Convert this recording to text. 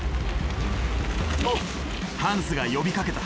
ハンスが呼びかけた。